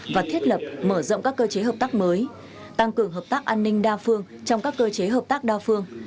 và thiết lập mở rộng các cơ chế hợp tác mới tăng cường hợp tác an ninh đa phương trong các cơ chế hợp tác đa phương